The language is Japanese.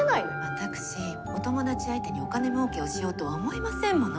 私お友達相手にお金もうけをしようとは思いませんもの。